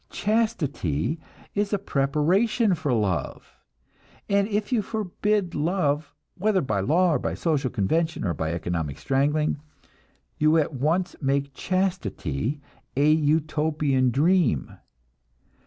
Chastity is a preparation for love; and if you forbid love, whether by law, or by social convention, or by economic strangling, you at once make chastity a Utopian dream.